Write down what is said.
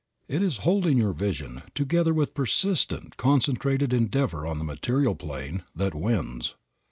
It is holding your vision, together with persistent, concentrated endeavor on the material plane, that wins.